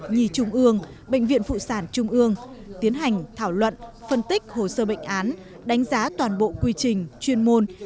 nhi trung ương bệnh viện phụ sản trung ương tiến hành thảo luận phân tích hồ sơ bệnh án đánh giá toàn bộ quy trình chuyên môn